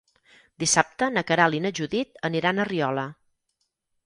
Dissabte na Queralt i na Judit aniran a Riola.